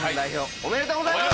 おめでとうございます！